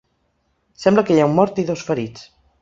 Sembla que hi ha un mort i dos ferits.